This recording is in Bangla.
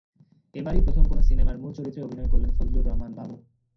এবারই প্রথম কোনো সিনেমার মূল চরিত্রে অভিনয় করলেন ফজলুর রহমান বাবু।